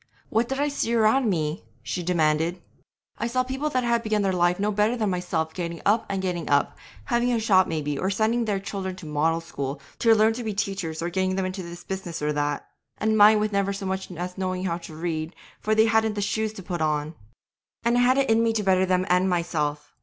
'What did I see around me?' she demanded. 'I saw people that had begun life no better than myself getting up and getting up, having a shop maybe, or sending their children to the "Model" School to learn to be teachers, or getting them into this business or that, and mine with never so much as knowing how to read, for they hadn't the shoes to put on 'And I had it in me to better them and myself.